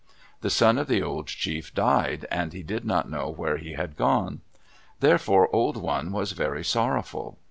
The son of the old chief died and he did not know where he had gone. Therefore Old One was very sorrowful.